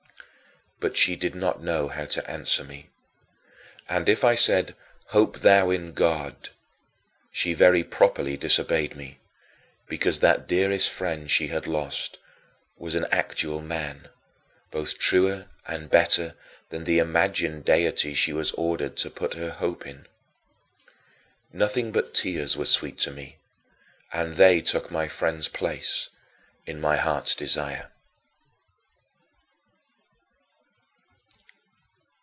But she did not know how to answer me. And if I said, "Hope thou in God," she very properly disobeyed me, because that dearest friend she had lost was as an actual man, both truer and better than the imagined deity she was ordered to put her hope in. Nothing but tears were sweet to me and they took my friend's place in my heart's desire.